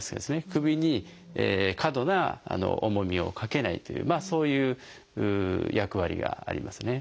首に過度な重みをかけないというそういう役割がありますね。